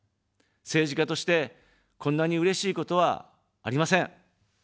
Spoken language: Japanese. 政治家として、こんなにうれしいことはありません。